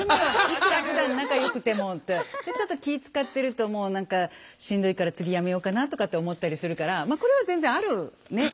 いくらふだん仲よくても。でちょっと気遣ってるともう何かしんどいから次やめようかなとかって思ったりするからまあこれは全然ある。